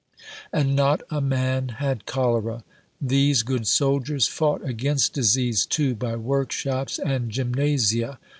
And not a man had cholera. These good soldiers fought against disease, too, by workshops and gymnasia."